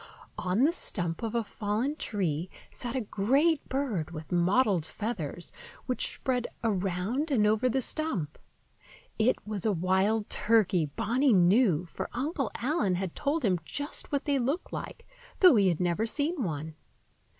On the stump of a fallen tree sat a great bird with mottled feathers, which spread around and over the stump. It was a wild turkey, Bonny knew, for Uncle Allen had told him just what they looked like, though he had never seen one.